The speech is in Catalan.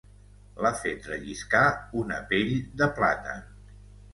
L'ha fet relliscar una pell de plàtan.